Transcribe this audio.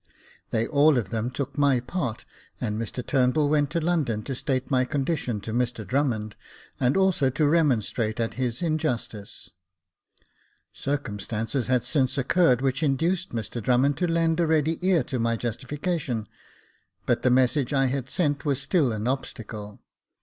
They all of them took my part, and Mr Turnbull went to London to state my condition to Mr Drummond, and also to remon strate at his injustice. Circumstances had since occurred which induced Mr Drummond to lend a ready ear to my justification ; but the message I had sent was still an obstacle.